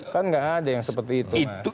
kan nggak ada yang seperti itu